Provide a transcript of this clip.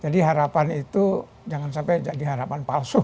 jadi harapan itu jangan sampai jadi harapan palsu